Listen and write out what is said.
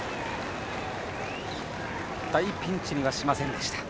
大ピンチにはしませんでした。